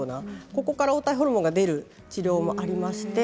ここから黄体ホルモンが出る治療もあります。